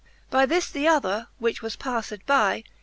X. By this the other, which was pafTed by